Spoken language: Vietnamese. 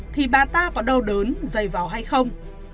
thì bà ta có đau đớn dày vào hay không